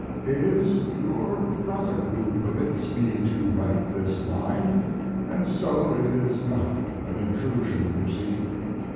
It is your brother who permits me to write this line & so it is not an intrusion, you see.